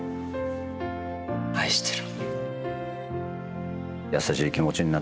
愛してる。